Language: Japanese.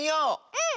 うん！